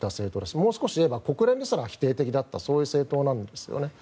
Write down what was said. もう少し言えば国連にすら否定的だったそういう政党なんですよね。